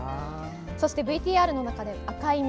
そして、ＶＴＲの中での赤い実。